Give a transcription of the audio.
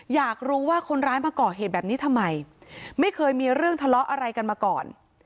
อยากรู้ว่าคนร้ายมาก่อเหตุแบบนี้ทำไมไม่เคยมีเรื่องทะเลาะอะไรกันมาก่อน